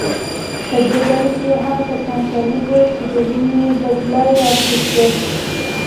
په دې ډله کې هغه کسان شامل وو چې د وینې بدله یې اخیسته.